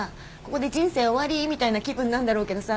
ここで人生終わりみたいな気分なんだろうけどさ。